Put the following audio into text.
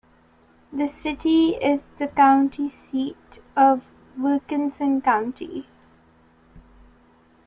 The city is the county seat of Wilkinson County.